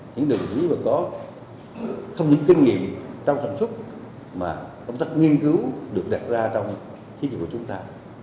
những đồng chí mà có không những kinh nghiệm trong sản xuất mà công tác nghiên cứu được đặt ra trong thí dụ của chúng ta